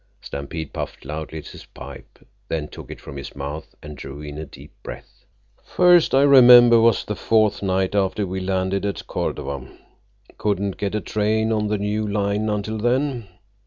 Stampede puffed loudly at his pipe, then took it from his mouth and drew in a deep breath. "First I remember was the fourth night after we landed at Cordova. Couldn't get a train on the new line until then.